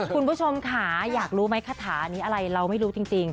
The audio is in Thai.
คุณผู้ชมค่ะอยากรู้ไหมคาถานี้อะไรเราไม่รู้จริง